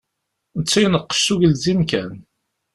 Netta ineqqec s ugelzim kan.